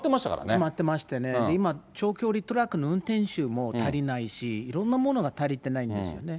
止まってましてね、今、長距離トラックの運転手も足りないし、いろんなものが足りてないんですよね。